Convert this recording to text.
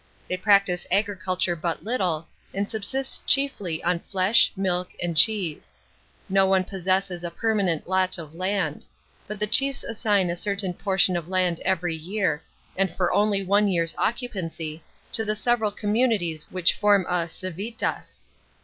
They practise agriculture but little, and subsist chiefly on flesh, milk, and cheese. No one possesses a permanent lot of landj but the chiefs assign a certain portion of land every year, and for only one year's occupancy, to the several communities which form c, civi'cas.